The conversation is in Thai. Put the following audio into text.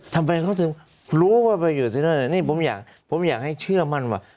ทำไมเขาถึงรู้ว่าไปอยู่ที่นั่นนี่ผมอยากผมอยากให้เชื่อมั่นว่า